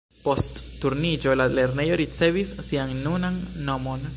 Post Turniĝo la lernejo ricevis sian nunan nomon.